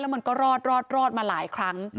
มันก็รอดมาหลายครั้ง